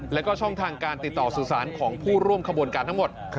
แล้วก็ช่องทางการติดต่อสื่อสารของผู้ร่วมขบวนการทั้งหมด